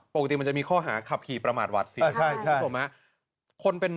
ปกติมันจะมีข้อหาขับขี่ประมาทหวาดสิใช่ใช่็แตกสำหรับคนเป็น